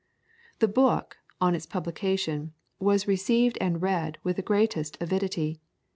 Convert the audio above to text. ] The book, on its publication, was received and read with the greatest avidity.